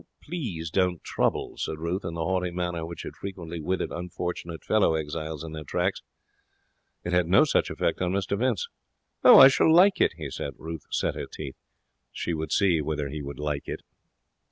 'Please don't trouble,' said Ruth, in the haughty manner which had frequently withered unfortunate fellow exiles in their tracks. It had no such effect on Mr Vince. 'I shall like it,' he said. Ruth set her teeth. She would see whether he would like it.